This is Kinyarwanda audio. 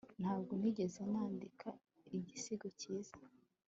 ntabwo nigeze nandika igisigo cyiza